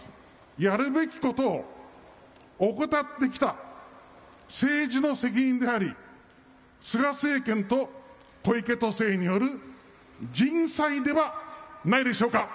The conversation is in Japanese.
やるべきことを怠ってきた政治の責任であり、菅政権と小池都政による人災ではないでしょうか。